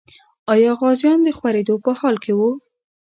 آیا غازیان د خورېدو په حال کې وو؟